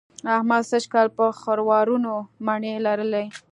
احمد سږ کال په خروارونو مڼې لرلې.